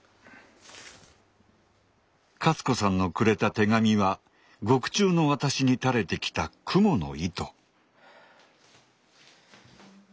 勝子さんのくれた手紙は獄中の私に垂れてきた蜘蛛の糸。